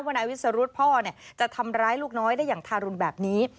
นายวิสรุธพ่อจะทำร้ายลูกน้อยได้อย่างทารุณแบบนี้